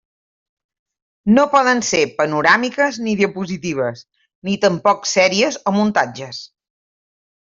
No poden ser panoràmiques, ni diapositives, ni tampoc sèries o muntatges.